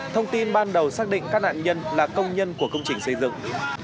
thông tin ban đầu xác định các nạn nhân là công nhân của công trình xây dựng